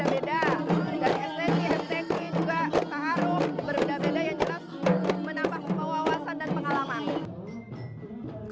dari esleki esleki juga saharuf berbeda beda yang jelas menambah kewawasan dan pengalaman